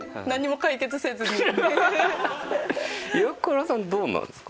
イワクラさんどうなんですか？